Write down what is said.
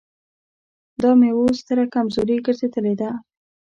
دا مې اوس ستره کمزوري ګرځېدلې ده.